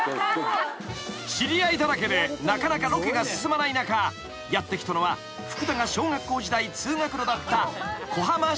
［知り合いだらけでなかなかロケが進まない中やって来たのは福田が小学校時代通学路だった］